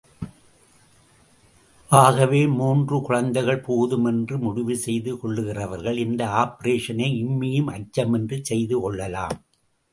ஆகவே, மூன்று குழந்தைகள் போதும் என்று முடிவு செய்து கொள்ளுகிறவர்கள் இந்த ஆப்பரேஷனை இம்மியும் அச்சமின்றிக் செய்து கொள்ளலாம்.